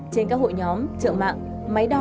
trên các hội nhóm trượng mạng máy đo